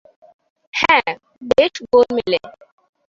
হ্যাঁ - বেশ গোলমেলে।